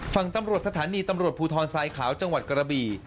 ฝั่งตำรวจสถานีตำรวจภูทรทรายขาวจังหวัดกระบี่